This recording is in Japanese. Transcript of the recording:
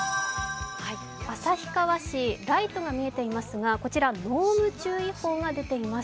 旭川市、ライトが見えていますが、こちら濃霧注意報が出ています。